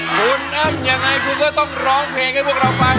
คุณอ้ำยังไงคุณก็ต้องร้องเพลงให้พวกเราฟัง